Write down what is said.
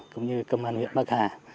cũng như công an huyện bắc hà